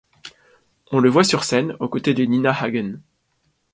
On le voit sur scène aux côtés de Nina Hagen.